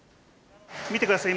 見てください